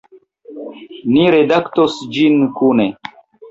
Ni redaktos ĝin kune.